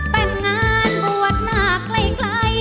แต่งงานบวชหน้าไกล